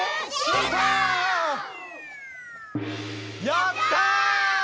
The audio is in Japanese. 「やったー！！」